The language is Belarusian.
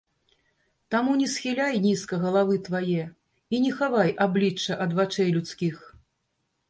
Таму не схіляй нізка галавы твае, і не хавай аблічча ад вачэй людскіх.